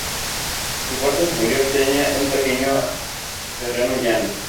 Su parte superior tiene un pequeño terreno llano.